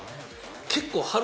結構。